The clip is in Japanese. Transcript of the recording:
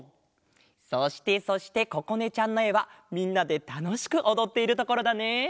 そしてそしてここねちゃんのえはみんなでたのしくおどっているところだね。